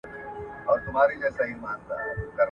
اوسنی اقتصاد تر پخواني اقتصاد ډېر پرمختللی دی.